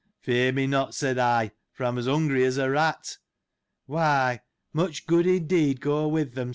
Fear me not, said I, for I am as hungry as a rat. Why, much good, indeed go with them